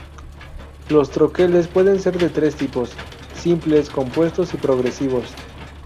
Los troqueles puede ser de tres tipos: simples, compuestos y progresivos.